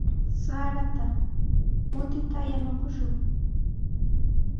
Sarata mutita yanukushun.